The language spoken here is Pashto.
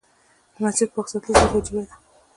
د مسجد پاک ساتل زموږ وجيبه ده.